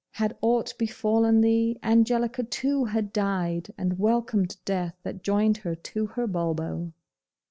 Had aught befallen thee, Angelica too had died, and welcomed death that joined her to her Bulbo.